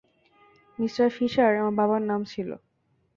Mr Fisher আমার বাবার নাম ছিল।